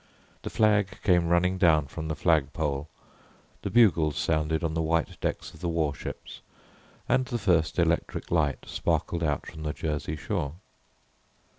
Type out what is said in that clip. The flag came running down from the flag pole, the bugles sounded on the white decks of the warships, and the first electric light sparkled out from the Jersey shore.